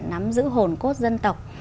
nắm giữ hồn cốt dân tộc